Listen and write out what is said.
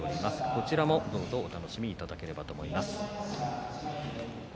こちらも、どうぞお楽しみいただければと思います。